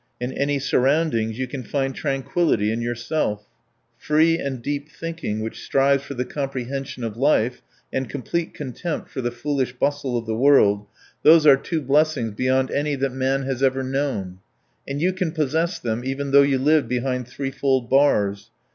In any surroundings you can find tranquillity in yourself. Free and deep thinking which strives for the comprehension of life, and complete contempt for the foolish bustle of the world those are two blessings beyond any that man has ever known. And you can possess them even though you lived behind threefold bars.